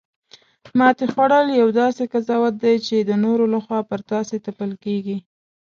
ماتې خوړل یو داسې قضاوت دی چې د نورو لخوا پر تاسې تپل کیږي